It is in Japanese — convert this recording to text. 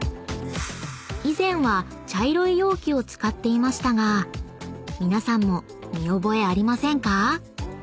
［以前は茶色い容器を使っていましたが皆さんも見覚えありませんか？］